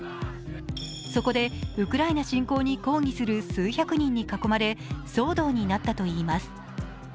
そこで、ウクライナ侵攻に抗議する数百人に囲まれ騒動になったといいます。